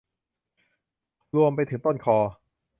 รวมไปถึงต้นคอ